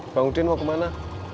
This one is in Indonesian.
bang udin mau kemana